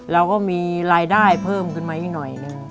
เราก็มีรายได้เพิ่มขึ้นมาอีกหน่อยหนึ่ง